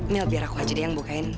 mil biar aku haji dingin bukain